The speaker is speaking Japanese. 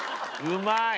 うまい！